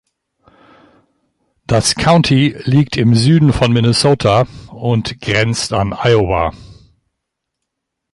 Das County liegt im Süden von Minnesota und grenzt an Iowa.